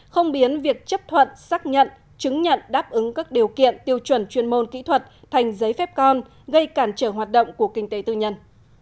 không biến việc chấp thuận xác nhận chứng nhận đáp ứng các điều kiện tiêu chuẩn chuyên môn kỹ thuật thành giấy phép con gây cản trở hoạt động của kinh tế tư nhân